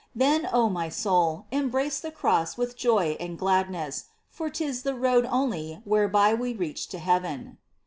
Then, O my soul, embrace the Cross with Joy and gladness. For 'tis the only road whereby We reach to heaven